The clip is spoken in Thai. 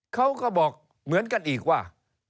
เขาก็บอกเหมือนกันอีกว่า